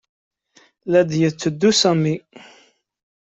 La d-yetteddu Sami.